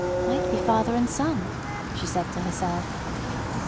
"Might be father and son," she said to herself.